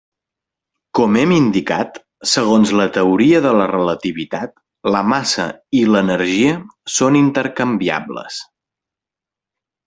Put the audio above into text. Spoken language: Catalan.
Com hem indicat, segons la teoria de la relativitat, la massa i l'energia són intercanviables.